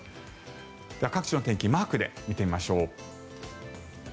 各地の天気マークで見てみましょう。